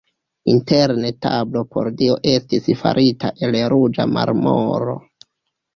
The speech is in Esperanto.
Interne tablo por Dio estis farita el ruĝa marmoro.